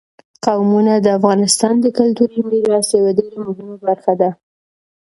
قومونه د افغانستان د کلتوري میراث یوه ډېره مهمه برخه ده.